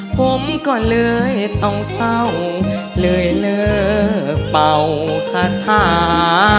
ผมก็เลยต้องเศร้าเลยเลิกเป่าคาถา